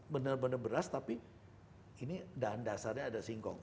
benar benar beras tapi ini bahan dasarnya ada singkong